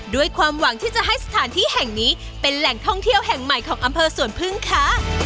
ด้วยความหวังที่จะให้สถานที่แห่งนี้เป็นแหล่งท่องเที่ยวแห่งใหม่ของอำเภอสวนพึ่งค่ะ